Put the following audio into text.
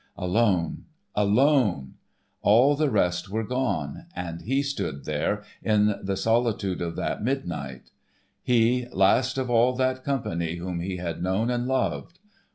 Alone, alone; all the rest were gone, and he stood there, in the solitude of that midnight; he, last of all that company whom he had known and loved.